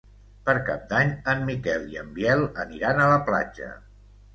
Per Cap d'Any en Miquel i en Biel aniran a la platja.